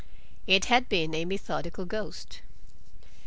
It had been a methodical ghost.